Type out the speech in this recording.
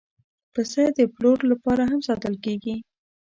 پسه د پلور لپاره هم ساتل کېږي.